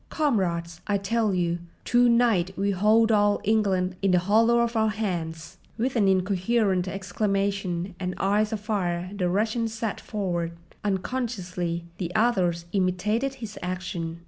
Comrades, I tell you, to night we hold all England in the hollow of our hands!" With an incoherent exclamation and eyes afire the Russian sat forward. Unconsciously the others imitated his action.